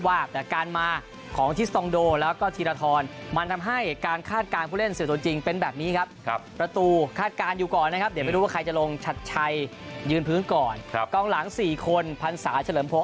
ความมั่นใจของตัวเองด้วยยิ่งยิ่งเราตกรอบอาเซนครับมาไม่ได้แชมป์ครับความมั่นใจมันอีกแบบ